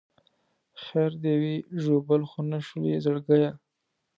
خیر دې وي ژوبل خو نه شولې زړګیه.